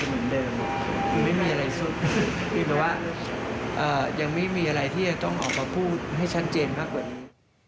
แต่ว่ายังไม่มีอะไรที่ต้องออกมาพูดให้ชัดเจนมากกว่านี้